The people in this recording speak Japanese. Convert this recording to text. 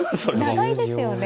長いですよね。